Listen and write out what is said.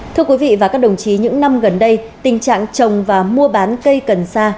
thưa quý vị và các đồng chí những năm gần đây tình trạng trồng và mua bán cây cần sa